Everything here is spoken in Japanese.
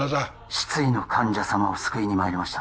失意の患者さまを救いに参りました